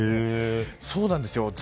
そうなんですよ。